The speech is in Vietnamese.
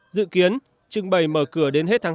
dự kiến trưng bày mở cửa đến hết tháng bốn